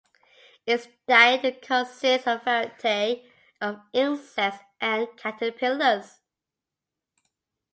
Its diet consists of a variety of insects and caterpillars.